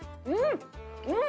うん！